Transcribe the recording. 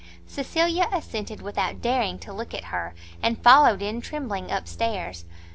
Cecilia assented without daring to look at her, and followed in trembling, up stairs.